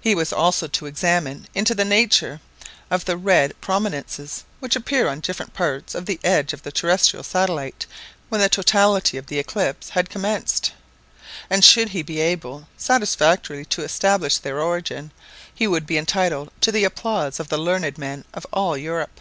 He was also to examine into the nature of the red prominences which appear on different parts of the edge of the terrestrial satellite when the totality of the eclipse has commenced; and should he be able satisfactorily to establish their origin, he would be entitled to the applause of the learned men of all Europe.